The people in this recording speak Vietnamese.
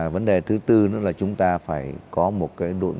vấn đề thứ tư nữa là chúng ta phải cải cách thủ tục hành chính